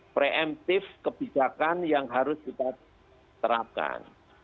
preemptif kebijakan yang harus kita terapkan